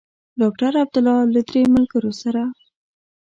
ډاکټر عبدالله له درې ملګرو سره.